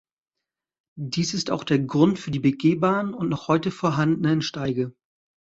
Dies ist auch der Grund für die begehbaren und noch heute vorhandenen Steige.